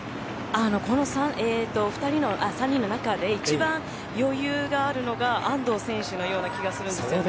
この３人の中で一番余裕があるのが安藤選手のような気がするんですよね。